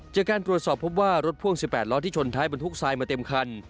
จากการตรวจสอบพบว่ารถพ่วง๑๘ล้อที่ชนท้ายบรรทุกทรายมาเต็มคัน